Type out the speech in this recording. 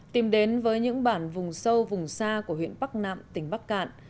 tìm đến với những bản vùng sâu vùng xa của huyện bắc nạm tỉnh bắc cạn